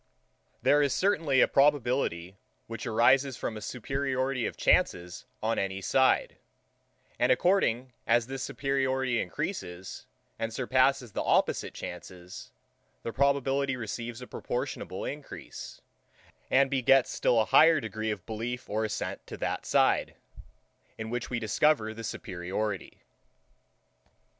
There is certainly a probability, which arises from a superiority of chances on any side; and according as this superiority encreases, and surpasses the opposite chances, the probability receives a proportionable encrease, and begets still a higher degree of belief or assent to that side, in which we discover the superiority.